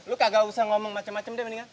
lu kagak usah ngomong macem macem deh mendingan